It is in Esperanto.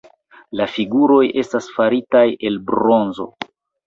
La figuroj estas faritaj el bronzo.